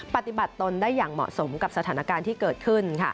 ปฏิบัติตนได้อย่างเหมาะสมกับสถานการณ์ที่เกิดขึ้น